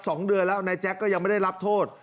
สองเดือนแล้วนายแจ๊กก็ยังไม่ได้รับโทษ